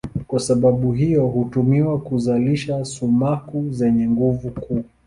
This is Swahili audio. Kwa sababu hiyo hutumiwa kuzalisha sumaku zenye nguvu kuu.